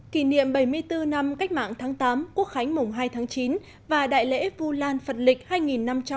kỷ niệm bảy mươi bốn năm cách mạng tháng tám quốc khánh mùng hai tháng chín và đại lễ vu lan phật lịch hai nghìn năm trăm tám mươi